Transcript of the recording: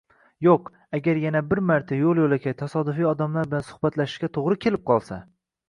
Yoʻq, agar yana bir marta yoʻl-yoʻlakay tasodifiy odamlar bilan suhbatlashishga toʻgʻri kelib qolsa.